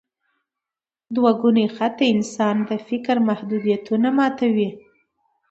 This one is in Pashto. دوګوني خط د انسان د فکر محدودیتونه ماتوي.